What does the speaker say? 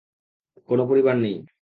কোনও পরিবার নেই।